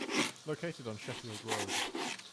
Located on Sheffield Road.